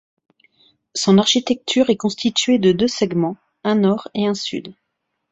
Son architecture est constituée de deux segments, un nord et un sud.